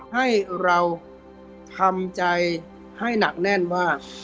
ให้เราทำใจให้หนักแน่นว่า